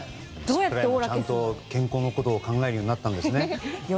ちゃんと健康のことを考えるようになったんですね。